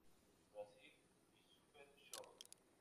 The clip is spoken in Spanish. Brasil y Super Shore.